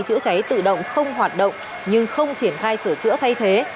chữa cháy tự động không hoạt động nhưng không triển khai sửa chữa thay thế